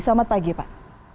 selamat pagi pak